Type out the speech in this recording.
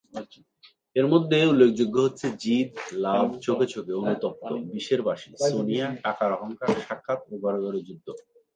এর মধ্যে উল্লেখযোগ্য হচ্ছে ‘জিদ’, ‘লাভ’, ‘চোখে চোখে’, ‘অনুতপ্ত’, ‘বিষের বাঁশি’,‘সোনিয়া’, ‘টাকার অহংকার’, ‘সাক্ষাৎ’ ও ‘ঘরে ঘরে যুদ্ধ’।